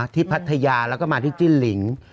พัทยาแล้วก็มาที่จิ้นหลิง